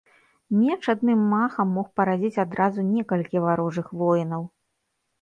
Меч адным махам мог паразіць адразу некалькіх варожых воінаў.